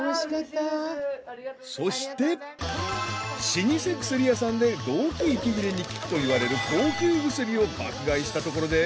［老舗薬屋さんで動悸息切れに効くといわれる高級薬を爆買いしたところで］